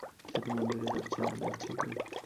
সে তো মন্দিরে যাচ্ছে না, যাচ্ছে কি?